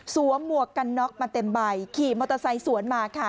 หมวกกันน็อกมาเต็มใบขี่มอเตอร์ไซค์สวนมาค่ะ